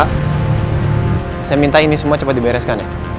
saya minta ini semua cepat dibereskan ya